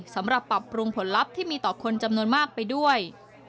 สำหรับปรับปรุงผลลัพธ์ที่มีต่อคนจำนวนมากไปด้วย